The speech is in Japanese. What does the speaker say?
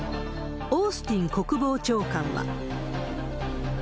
オースティン国防長官は。